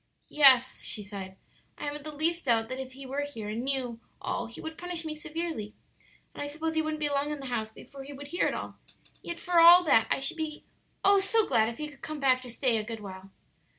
"Yes," she sighed; "I haven't the least doubt that if he were here and knew all he would punish me severely again; and I suppose he wouldn't be long in the house before he would hear it all; yet for all that I should be oh, so glad if he could come back to stay a good while."